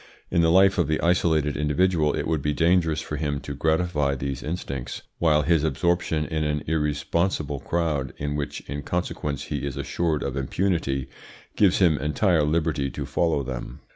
In the life of the isolated individual it would be dangerous for him to gratify these instincts, while his absorption in an irresponsible crowd, in which in consequence he is assured of impunity, gives him entire liberty to follow them.